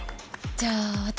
じゃあ私